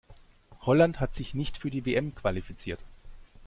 Holland hat sich nicht für die WM qualifiziert.